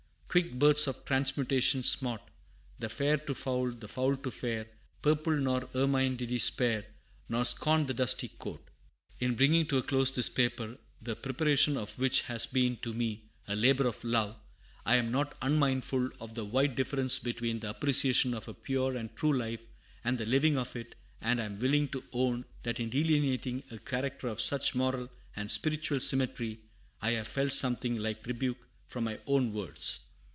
"Quick births of transmutation smote The fair to foul, the foul to fair; Purple nor ermine did he spare, Nor scorn the dusty coat." In bringing to a close this paper, the preparation of which has been to me a labor of love, I am not unmindful of the wide difference between the appreciation of a pure and true life and the living of it, and am willing to own that in delineating a character of such moral and spiritual symmetry I have felt something like rebuke from my own words.